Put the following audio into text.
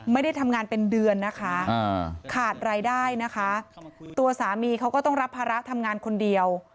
ไม่ได้ทำงานเป็นเดือนนะคะขาดรายได้นะคะตัวสามีเขาก็ต้องรับภาระทำงานคนเดียว